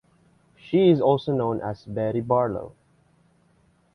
She is also known as Betty Barlow.